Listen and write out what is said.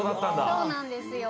そうなんですよ。